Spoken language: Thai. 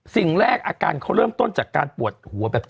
สิ่งแรกอาการเขาเริ่มต้นจากการปวดหัวแบบ